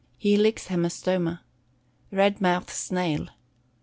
Helix Hæmastoma. Red Mouth Snail.